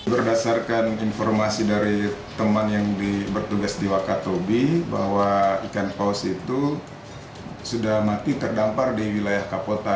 berdasarkan informasi dari teman yang bertugas di wakatobi bahwa ikan paus itu sudah mati terdampar di wilayah kapota